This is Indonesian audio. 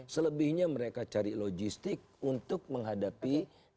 selebihnya mereka cari logistik untuk menghadapi dua ribu dua puluh empat